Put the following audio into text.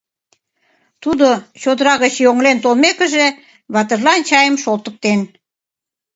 Тудо, чодыра гыч йоҥлен толмекыже, ватыжлан чайым шолтыктен.